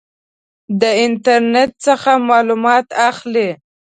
د انټرنټ څخه معلومات اخلئ؟